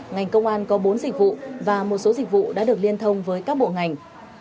ngành công an có bốn dịch vụ và một số dịch vụ đã được liên thông với các bộ ngành